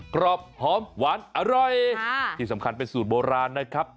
กรอบหอมหวานอร่อยที่สำคัญเป็นสูตรโบราณนะครับ